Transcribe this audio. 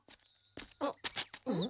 あっん？